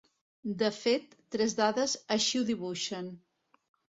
De fet, tres dades així ho dibuixen.